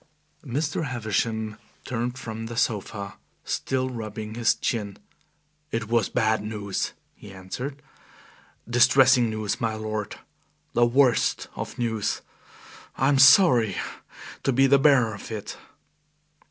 Mr. Havisham turned from the sofa, still rubbing his chin. "It was bad news," he answered, "distressing news, my lord the worst of news. I am sorry to be the bearer of it."